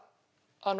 あの。